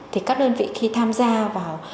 thì các đơn vị khi tham gia vào